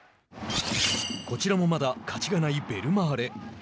こちらも、まだ勝ちがないベルマーレ。